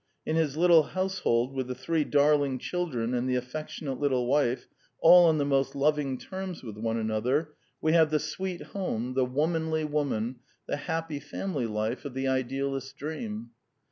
In his little house hold, with the three darling children and the affectionate little wife, all on the most loving terms with one another, we have the sweet home, The Anti Idealist Plays 89 the womanly woman, the happy family life of the idealist's dream.